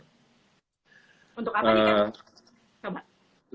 untuk apa ini